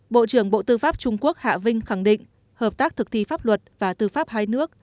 bộ trưởng bộ tư pháp trung quốc hạ vinh khẳng định hợp tác thực thi pháp luật và tư pháp hai nước